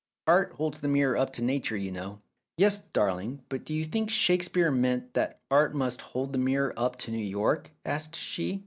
Art holds the mirror up to nature, you know." "Yes, darling; but do you think Shakespeare meant that Art must hold the mirror up to New York?" asked she.